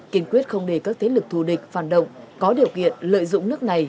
kiên quyết không để các thế lực thù địch phản động có điều kiện lợi dụng nước này